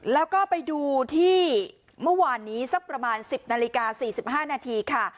แล้วก็ไปดูที่เมื่อวานนี้สักประมาณ๑๐นาฬิกา๔๕นาทีค่ะ